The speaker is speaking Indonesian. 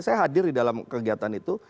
saya hadir di dalam kegiatan itu